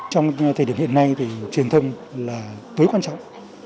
trong thời điểm hiện nay thì truyền thông là tối quan trọng